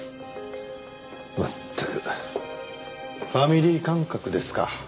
まったくファミリー感覚ですか。